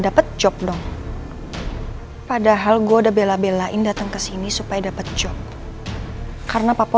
dapat job dong padahal gue udah bela belain datang ke sini supaya dapat job karena papa